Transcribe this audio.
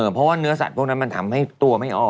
เพราะว่าเนื้อสัตว์พวกนั้นมันทำให้ตัวไม่ออก